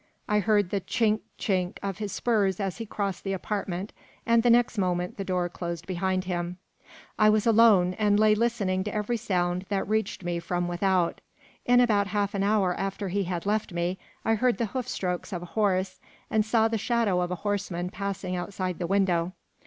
I heard the "chinck, chinck" of his spurs as he crossed the apartment, and the next moment the door closed behind him. I was alone, and lay listening to every sound that reached me from without. In about half an hour after he had left me, I heard the hoof strokes of a horse, and saw the shadow of a horseman passing outside the window.